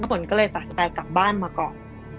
น้ำฝนก็เลยตัดแต่กลับบ้านมาก่อน